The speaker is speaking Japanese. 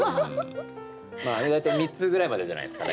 まああれ大体３つぐらいまでじゃないですか大体。